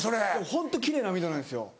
ホント奇麗な網戸なんですよ。